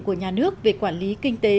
của nhà nước về quản lý kinh tế